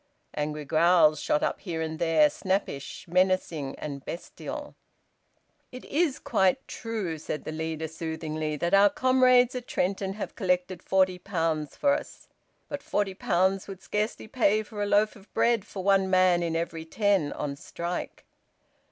Angry growls shot up here and there, snappish, menacing, and bestial. "It is quite true," said the leader soothingly, "that our comrades at Trenton have collected forty pounds for us. But forty pounds would scarcely pay for a loaf of bread for one man in every ten on strike."